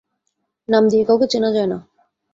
নাম দিয়ে কাউকে চেনা যায় ন।